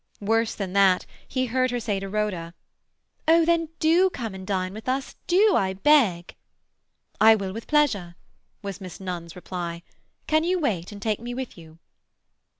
Worse than that, he heard her say to Rhoda,— "Oh, then do come and dine with us. Do, I beg!" "I will, with pleasure," was Miss Nunn's reply. "Can you wait and take me with you?"